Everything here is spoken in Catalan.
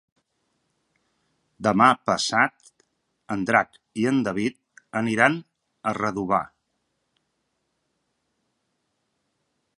Demà passat en Drac i en David aniran a Redovà.